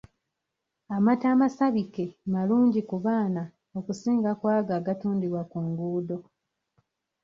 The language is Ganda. Amata amasabike malungi ku baana okusinga ku ago agatundibwa ku nguudo.